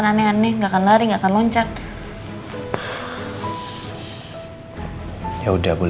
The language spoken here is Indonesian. titip rina ya tolong dudain